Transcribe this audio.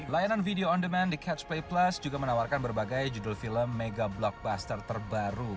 layanan video on demand di catch play plus juga menawarkan berbagai judul film mega blockbuster terbaru